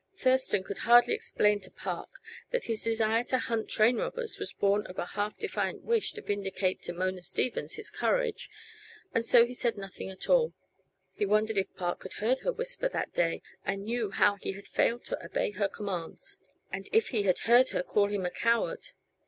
Thurston could scarcely explain to Park that his desire to hunt train robbers was born of a half defiant wish to vindicate to Mona Stevens his courage, and so he said nothing at all. He wondered if Park had heard her whisper, that day, and knew how he had failed to obey her commands; and if he had heard her call him a coward.